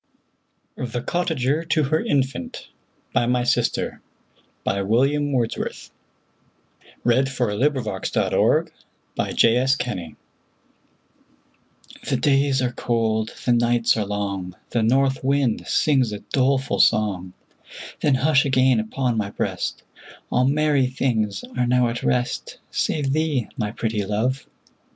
THE COTTAGER TO HER INFANT BY MY SISTER THE COTTAGER TO HER INFANT THE days are cold, the nights are long, The north wind sings a doleful song; Then hush again upon my breast; All merry things are now at rest, Save thee, my pretty Love!